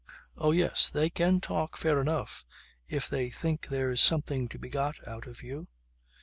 Oh yes, they can talk fair enough if they think there's something to be got out of you